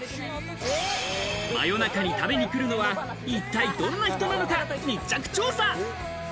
真夜中に食べに来るのは一体どんな人なのか、密着調査。